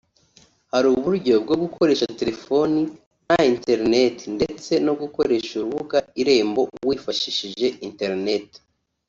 hariho uburyo bwo gukoresha telefoni nta interinet ndetse no gukoresha urubuga Irembo wifashishije internet